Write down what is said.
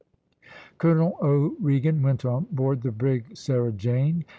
Colonel O'Regan went on board the brig Sarah Jane.